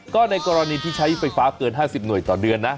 ก็ในกรณีที่ใช้ไฟฟ้าเกิน๕๐หน่วยต่อเดือนนะ